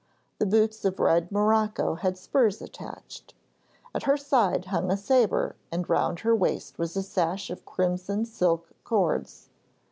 The boots of red morocco had spurs attached; at her side hung a sabre and round her waist was a sash of crimson silk cords.